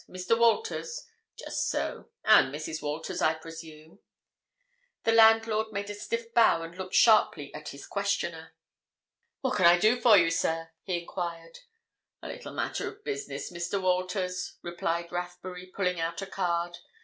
"Mr. Walters? Just so—and Mrs. Walters, I presume?" The landlord made a stiff bow and looked sharply at his questioner. "What can I do for you, sir?" he enquired. "A little matter of business, Mr. Walters," replied Rathbury, pulling out a card.